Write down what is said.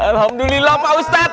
alhamdulillah pak ustadz